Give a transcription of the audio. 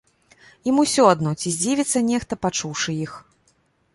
Ім усё адно, ці здзівіцца нехта, пачуўшы іх.